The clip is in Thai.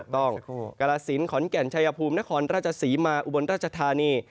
ต้องกาลสินขอนแก่นชัยภูมินครราชศรีมาอุบลราชธานี